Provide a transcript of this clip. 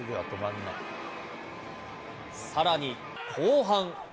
さらに、後半。